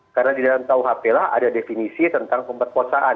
karena di dalam kuhp lah ada definisi tentang pemeriksaan